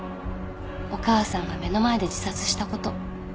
お母さんが目の前で自殺したこと。